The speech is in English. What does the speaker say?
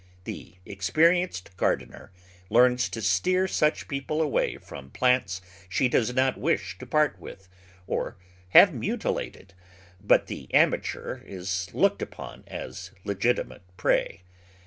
The experienced gardener learns to steer such people away from plants she does not wish to part with, or have mutilated, but the amateur is looked upon as legitimate prey.